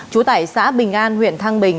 chú tải xã bình an huyện thang bình